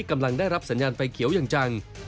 กำลังได้รับสัญญาณไฟเขียวอย่างจัง